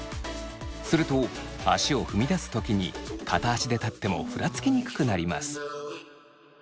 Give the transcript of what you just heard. すると足を踏み出す時に片足で立ってもふらつきにくくなります。